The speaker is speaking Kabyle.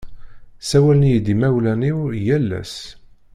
Sawalen-iyi-d imawlan-iw yal ass.